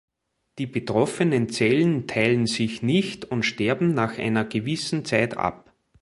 Die betroffenen Zellen teilen sich nicht und sterben nach einer gewissen Zeit ab.